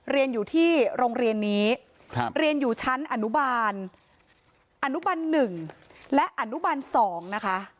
เรียนอยู่ที่โรงเรียนนี้เรียนอยู่ชั้นอนุบาลอนุบัน๑และอนุบัน๒นะคะ